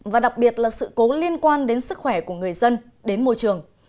và đặc biệt là sự cố liên quan đến sức khỏe của người dân đến môi trường